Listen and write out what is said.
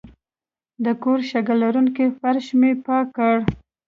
د کور شګه لرونکی فرش مې پاک کړ.